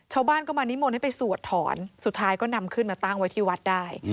ชาวบ้านก็มานิมนต์ให้ไปสวดถอนสุดท้ายก็นำขึ้นมาตั้งไว้ที่วัดได้